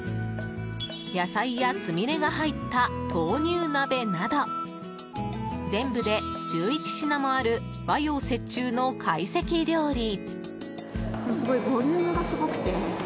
野菜やつみれが入った豆乳鍋など全部で１１品もある和洋折衷の会席料理。